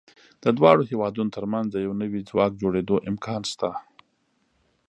د دواړو هېوادونو تر منځ د یو نوي ځواک جوړېدو امکان شته.